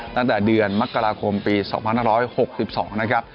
ตั้งแต่เดือนมกราคมปี๒๕๖๒นะครับ